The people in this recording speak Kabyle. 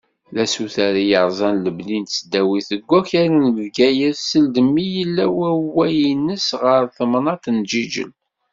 D asuter i yerzan lebni n tesdawit deg wakal n Bgayet seld mi yella wawway-ines ɣer temnaḍt n Jijel.